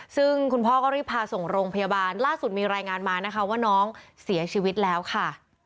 ซึ่งคุณพ่อก็รีบพาส่งโรงพยาบาลล่าสุดมีรายงานมานะคะว่าน้องเสียชีวิตแล้วค่ะ